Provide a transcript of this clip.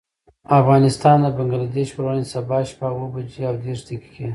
افغانستان د بنګلدېش پر وړاندې، سبا شپه اوه بجې او دېرش دقيقې.